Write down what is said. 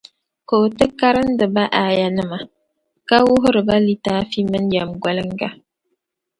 Ka o ti karindi ba A aayanima, ka wuhiri ba litaafi mini yεmgoliŋga